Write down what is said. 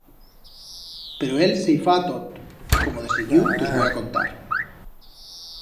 Pero él se i fa a tot, como de seguiu tos voi a contar.